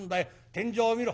天井を見ろ。